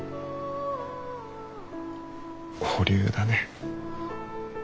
保留だね。